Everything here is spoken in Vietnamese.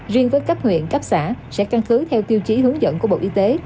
riêng với cấp huyện cấp xã sẽ căn cứ theo tiêu chí hướng dẫn của bộ y tế